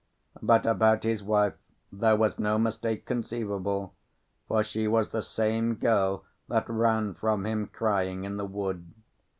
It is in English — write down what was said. But about his wife there was no mistake conceivable, for she was the same girl that ran from him crying in the wood.